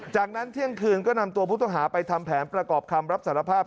จากนั้นเที่ยงคืนก็นำตัวผู้ต้องหาไปทำแผนประกอบคำรับสารภาพ